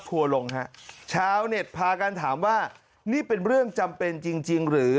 ครัวลงฮะชาวเน็ตพากันถามว่านี่เป็นเรื่องจำเป็นจริงจริงหรือ